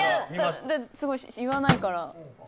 すごい、言わないから。